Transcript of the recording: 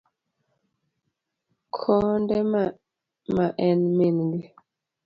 Konde ma en min gi.